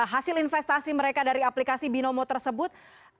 hasil investasi mereka dari aplikasi binomo tersebut